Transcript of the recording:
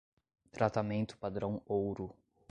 Tratamento padrão-ouro